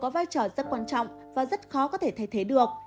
có vai trò rất quan trọng và rất khó có thể thay thế được